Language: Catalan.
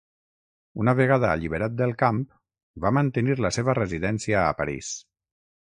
Una vegada alliberat del camp, va mantenir la seva residència a París.